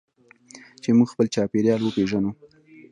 چې موږ خپل چاپیریال وپیژنو.